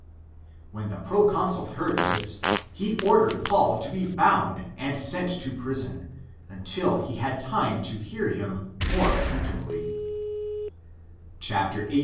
When the proconsul heard this, he ordered Paul to be bound and sent to prison, until he had time to hear him more attentively, 1 8.